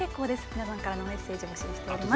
皆さんからのメッセージを募集しています。